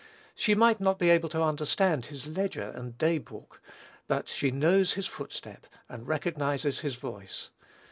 She might not be able to understand his ledger and day book; but she knows his footstep and recognizes his voice.